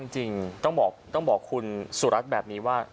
จริงต้องบอกคุณสุรัตน์แบบนี้ว่า